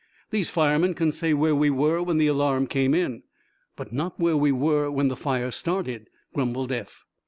"These firemen can say where we were when the alarm came in." "But not where we were when the fire started," grumbled Eph.